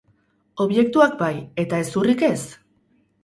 Objektuak bai, eta hezurrik ez?